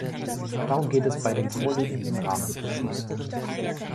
Darum geht es bei dem vorliegenden Rahmenbeschluss.